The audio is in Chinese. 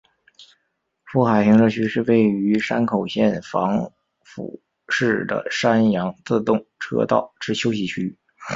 富海停车区是位于山口县防府市的山阳自动车道之休息区。